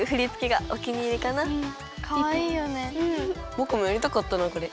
ぼくもやりたかったなこれ。